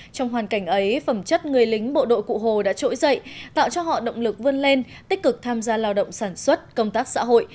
trong hoàn cảnh ấy phẩm chất người lính bộ đội cụ hồ đã trỗi dậy tạo cho họ động lực vươn lên tích cực tham gia lao động sản xuất công tác xã hội